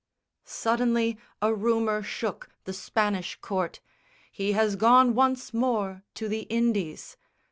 Suddenly a rumour shook the Spanish Court, He has gone once more to the Indies.